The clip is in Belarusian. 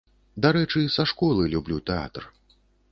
Дарэчы, са школы люблю тэатр.